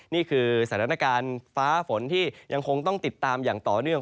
นี่คือสถานการณ์ฟ้าฝนที่ยังคงต้องติดตามอย่างต่อเนื่อง